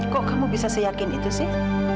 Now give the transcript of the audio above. kok kamu bisa seyakin itu sih